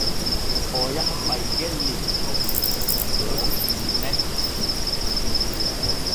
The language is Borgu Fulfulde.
Oo yaha fay gellel o umminay.